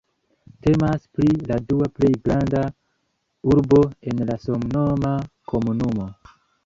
Temas pri la dua plej granda urbo en la samnoma komunumo.